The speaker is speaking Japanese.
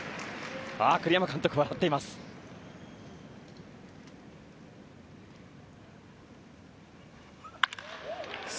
栗山監督、笑っています。